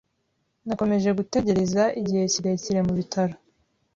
Nakomeje gutegereza igihe kirekire mu bitaro.